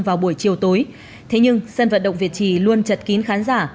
vào buổi chiều tối thế nhưng sân vận động việt trì luôn chật kín khán giả